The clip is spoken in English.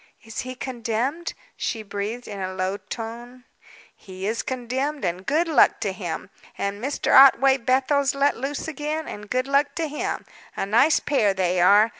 "Is he condemned?" she breathed, in a low tone. "He is condemned, and good luck to him! And Mr. Otway Bethel's let loose again, and good luck to him. A nice pair they are!